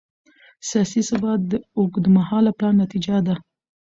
سیاسي ثبات د اوږدمهاله پلان نتیجه ده